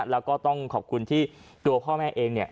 แล้วก็ต้องขอบคุณที่ตัวพ่อแม่เองเนี่ย